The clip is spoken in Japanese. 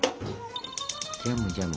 ジャムジャム